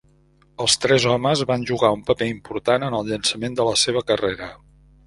Els tres homes van jugar un paper important en el llançament de la seva carrera.